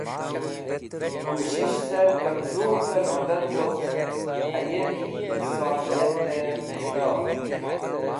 Kushish car kamzurvẽr medad woc, hayemi insoniyat miyor.